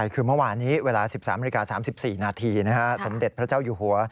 คือเมื่อวานนี้เวลา๑๓นาฬิกา๓๔นาทีสมเด็จพระเจ้าอยู่หัว